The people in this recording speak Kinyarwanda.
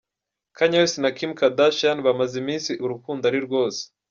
Kanye West na Kim Kardashian bamaze iminsi urukundo ari rwose.